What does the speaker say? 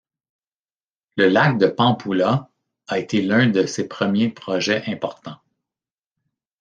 Le lac de Pampulha a été l'un de ses premiers projets importants.